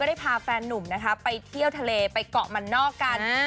ได้พาแฟนนุ่มนะคะไปเที่ยวทะเลไปเกาะมันนอกกัน